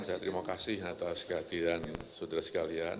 saya terima kasih atas kehadiran saudara sekalian